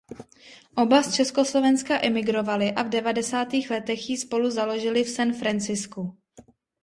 Oba z Československa emigrovali a v devadesátých letech ji spolu založili v San Franciscu.